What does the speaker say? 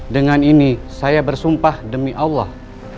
dengan ini saya bersumpah demi allah